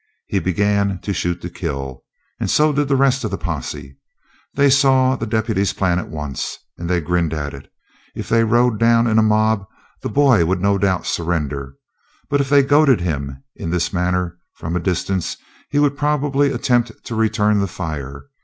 He began to shoot to kill. And so did the rest of the posse. They saw the deputy's plan at once, and then grinned at it. If they rode down in a mob the boy would no doubt surrender. But if they goaded him in this manner from a distance he would probably attempt to return the fire.